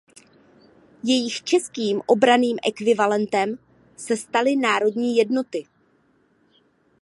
Jejich českým obranným ekvivalentem se staly Národní Jednoty.